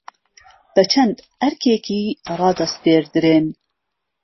بە چەند ئەرکێکی رادەسپێردرێن